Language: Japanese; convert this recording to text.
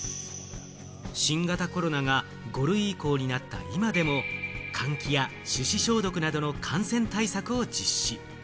新型コロナが５類移行になった今でも換気や手指消毒などの感染対策を実施。